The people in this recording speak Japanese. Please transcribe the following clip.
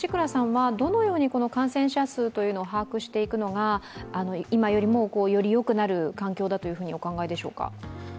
どのように感染者数を把握していくのが今よりも、よりよくなる環境だとお考えでしょうか。